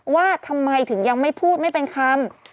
ว่าทำไมถึงยังไม่พูดไม่เป็นคำ